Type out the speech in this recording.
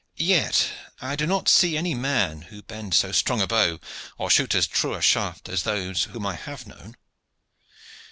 Yet I do not see any men who bend so strong a bow or shoot as true a shaft as those whom I have known."